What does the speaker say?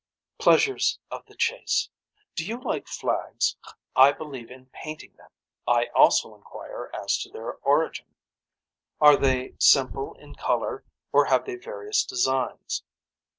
Pleasures of the chase. Do you like flags. I believe in painting them. I also inquire as to their origin. Are they simple in color or have they various designs.